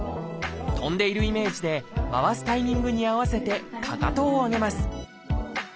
跳んでいるイメージで回すタイミングに合わせてかかとを上げます。